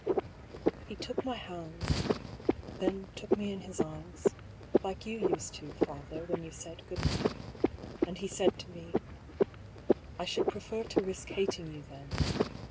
He took my hands, then took me in his arms — ^like you used to, father, when you said " Good night "— and he said to me :" I should prefer to risk hating you, then.